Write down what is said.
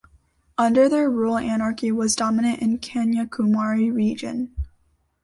Under their rule anarchy was dominant in Kanyakumari region.